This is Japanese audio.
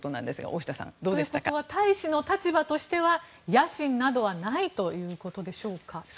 大下さん、どうでしたか？ということは大使の立場からは野心などはないということでしょうか。